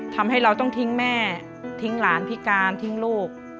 ทำให้เราต้องทิ้งแม่ทิ้งหลานพิการทิ้งลูก